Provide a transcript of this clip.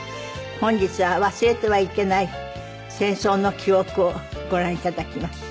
本日は忘れてはいけない戦争の記憶をご覧頂きます。